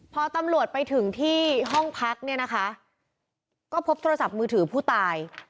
พอตำรวจไปถึงที่ห้องพักเนี่ยนะคะก็พบโทรศัพท์มือถือผู้ตาย